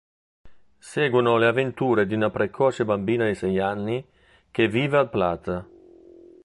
Seguono le avventure di una precoce bambina di sei anni che vive al Plaza.